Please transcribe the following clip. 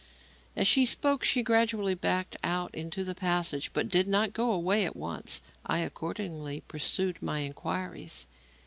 As she spoke, she gradually backed out into the passage but did not go away at once. I accordingly pursued my inquiries.